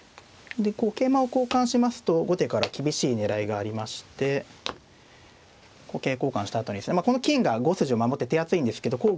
でこう桂馬を交換しますと後手から厳しい狙いがありまして桂交換したあとにですねこの金が５筋を守って手厚いんですけどこう